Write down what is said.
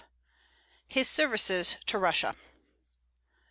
HIS SERVICES TO RUSSIA.